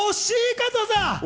加藤さん。